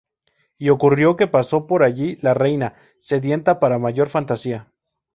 Y ocurrió que pasó por allí la reina, sedienta para mayor fantasía.